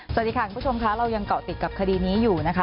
สวัสดีค่ะคุณผู้ชมค่ะเรายังเกาะติดกับคดีนี้อยู่นะคะ